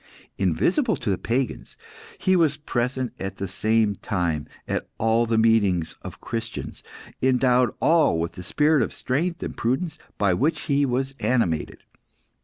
Invisible to the pagans, he was present at the same time at all the meetings of Christians, endowing all with the spirit of strength and prudence by which he was animated.